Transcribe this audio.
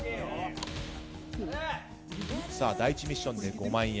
第１ミッションで５万円